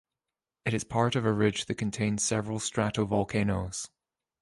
It is part of a ridge that contains several stratovolcanos.